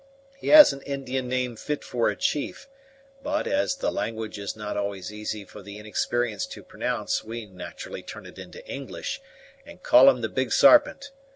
He has an Indian name fit for a chief, but, as the language is not always easy for the inexperienced to pronounce we naturally turn it into English, and call him the Big Sarpent.